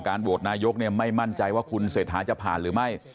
การโบดนายกไม่มั่นใจว่าคุณเสร็จท้าจะผ่านหรือไม่